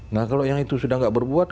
nah kalau yang itu sudah tidak berbuat